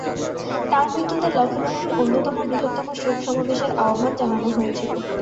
তাঁর মৃত্যুতে লখনউয়ের অন্যতম বৃহত্তম শোক সমাবেশের আহ্বান জানানো হয়েছিল।